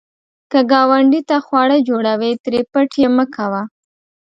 که ګاونډي ته خواړه جوړوې، ترې پټ یې مه کوه